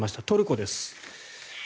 トルコです。